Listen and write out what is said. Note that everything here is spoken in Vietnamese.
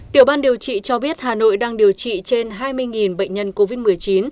tiểu ban điều trị cho biết hà nội đang điều trị trên hai mươi bệnh nhân covid một mươi chín